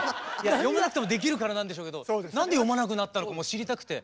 読まなくてもできるからなんでしょうけど何で読まなくなったのかも知りたくて。